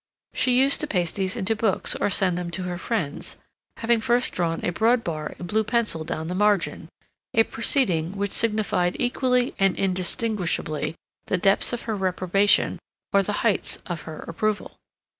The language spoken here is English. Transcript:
She used to paste these into books, or send them to her friends, having first drawn a broad bar in blue pencil down the margin, a proceeding which signified equally and indistinguishably the depths of her reprobation or the heights of her approval.